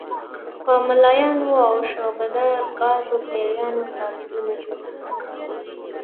په ملایانو او شعبده بازو پیرانو تعویضونه جوړېږي.